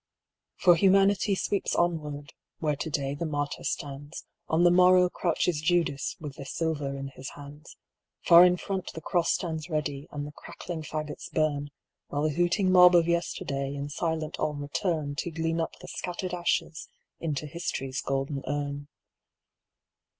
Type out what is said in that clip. For Humanity sweeps onward: where to day the martyr stands, On the morrow crouches Judas with the silver in his hands; Far in front the cross stands ready and the crackling fagots burn, While the hooting mob of yesterday in silent awe return To glean up the scattered ashes into History's golden urn.